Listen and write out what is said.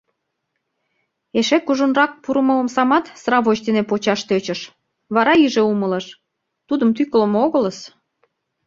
Эше кужунрак пурымо омсамат сравоч дене почаш тӧчыш, вара иже умылыш — тудым тӱкылымӧ огылыс!